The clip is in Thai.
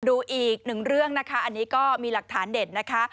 ดูอีกหนึ่งเรื่องนะคะอันนี้ก็มีหลักฐานเด็ดนะคะ